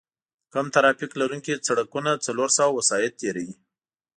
کم ترافیک لرونکي سړکونه څلور سوه وسایط تېروي